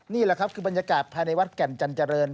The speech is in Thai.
นี่แหละครับคือบรรยากาศภายในวัดแก่นจันเจริญ